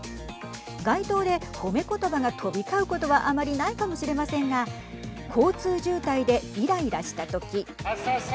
街頭で褒めことばが飛び交うことはあまりないかもしれませんが交通渋滞でいらいらした時。